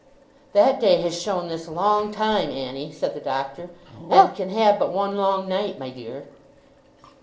'That day has shone this long time, Annie,' said the Doctor, 'and can have but one long night, my dear.